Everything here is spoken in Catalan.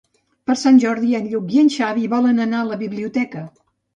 Per Sant Jordi en Lluc i en Xavi volen anar a la biblioteca.